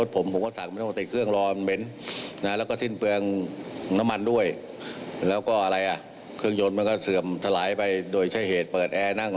เปิดแอร์นั่งรอนายไม่ให้ไม่ให้ติด